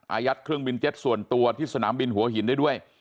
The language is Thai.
อายัดเครื่องบินเจ็ตส่วนตัวที่สนามบินหัวหินได้ด้วย